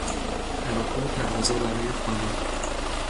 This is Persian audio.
تراکم تقاضا برای خانه